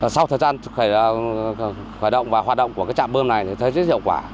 sau thời gian hoạt động và hoạt động của trạm bơm này thấy hiệu quả